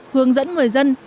hướng dẫn người dân